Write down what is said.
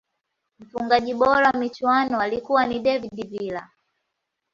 mfungaji bora wa michuano alikuwa ni david villa